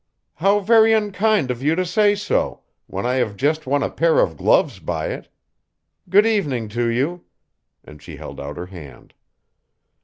"How very unkind of you to say so, when I have just won a pair of gloves by it. Good evening to you!" And she held out her hand.